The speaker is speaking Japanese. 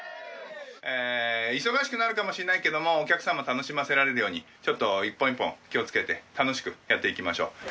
忙しくなるかもしんないけどもお客さま楽しませられるように一本一本気を付けて楽しくやっていきましょう。